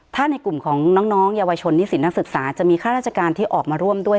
ถ้าในกลุ่มของน้องเยาวชนนิสินนักศึกษาจะมีค่าราชการที่ออกมาร่วมด้วย